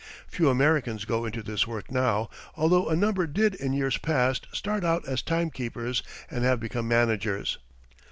Few Americans go into this work now, although a number did in years past start out as time keepers and have become managers.